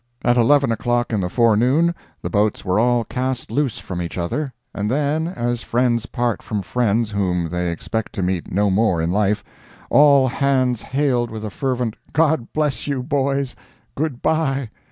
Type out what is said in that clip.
At eleven o'clock in the forenoon the boats were all cast loose from each other, and then, as friends part from friends whom they expect to meet no more in life, all hands hailed with a fervent "God bless you, boys; Good bye!"